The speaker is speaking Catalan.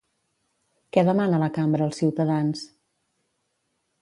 Què demana la cambra als ciutadans?